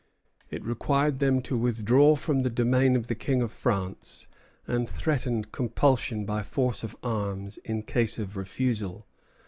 It required them to withdraw from the domain of the King of France, and threatened compulsion by force of arms in case of refusal.